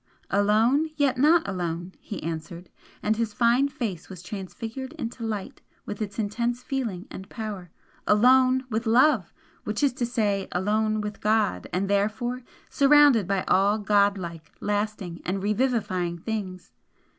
"Alone, yet not alone!" he answered, and his fine face was transfigured into light with its intense feeling and power "Alone with Love! which is to say alone with God, and therefore surrounded by all god like, lasting and revivifying things.